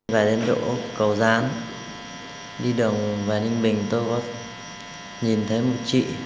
về đến độ cầu gián đi đồng và ninh bình tôi có nhìn thấy một chị